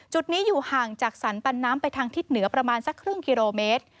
จุดนี้อยู่ห่างจากสรรปันน้ำไปทางทิศเหนือประมาณสักครึ่งกิโลเมตร